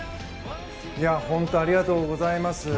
本当ありがとうございます。